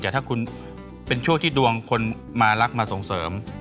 แต่ถ้าคุณเป็นช่วงที่ดวงคนมารักมาส่งเสริม